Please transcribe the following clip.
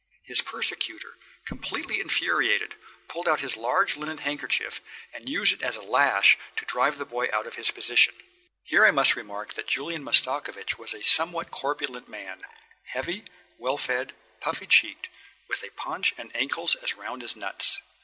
His persecutor, completely infuriated, pulled out his large linen handkerchief and used it as a lash to drive the boy out of his position. Here I must remark that Julian Mastakovich was a somewhat corpulent man, heavy, well fed, puffy cheeked, with a paunch and ankles as round as nuts.